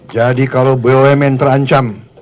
jadi kalau bumn terancam